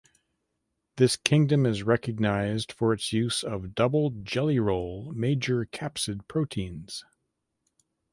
This kingdom is recognized for its use of double jelly roll major capsid proteins.